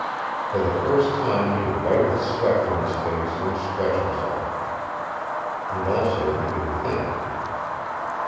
For the first time he could wipe the sweat from his face and stretch himself. And also he could think.